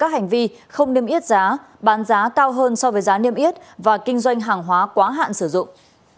các hành vi không niêm yết giá bán giá cao hơn so với giá niêm yết và kinh doanh hàng hóa quá hạn sử dụng